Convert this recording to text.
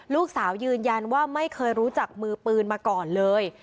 ลูกสาวยืนยันว่าไม่เคยรู้จักมือปืนมาก่อนเลย